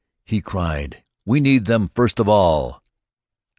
he cried. "We need them first of all!"